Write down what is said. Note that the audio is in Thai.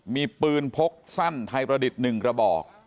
มีปืนพกสั้นไทยประดิษฐ์๑กระบอก